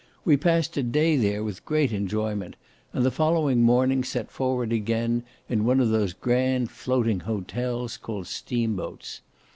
We passed a day there with great enjoyment; and the following morning set forward again in one of those grand floating hotels called steamboats.